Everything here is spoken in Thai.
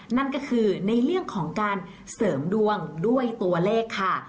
นั่นก็คือในเรื่องของการเสริมดวงด้วยตัวเลขค่ะ